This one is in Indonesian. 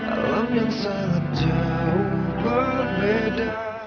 alam yang sangat jauh berbeda